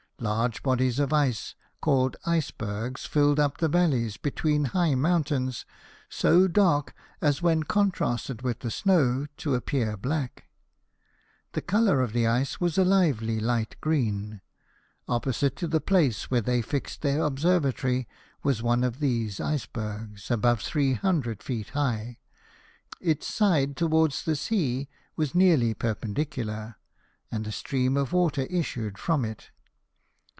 Large bodies of ice, called icebergs, filled up the valleys between high mountains, so dark as, when contrasted with the snow, to appear black. The colour of the ice was a lively light green. Opposite to the place where they fixed their observatory was one of these icebergs, above three hundred feet high : its side towards the sea was nearly perpendicular, and a stream of water issued from it.